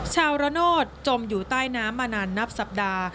ระโนธจมอยู่ใต้น้ำมานานนับสัปดาห์